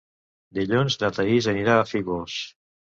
Dilluns na Thaís anirà a Fígols.